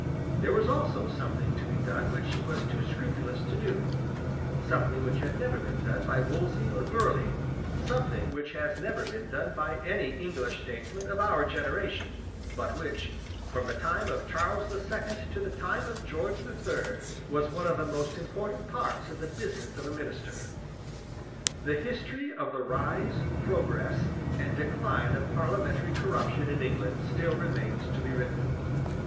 There was also something to be done which he was too scrupulous to do; something which had never been done by Wolsey or Burleigh; something which has never been done by any English statesman of our generation; but which, from the time of Charles the Second to the time of George the Third, was one of the most important parts of the business of a minister. The history of the rise, progress, and decline of parliamentary corruption in England still remains to be written.